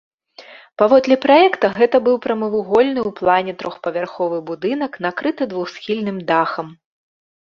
Паводле праекта гэта быў прамавугольны ў плане трохпавярховы будынак, накрыты двухсхільным дахам.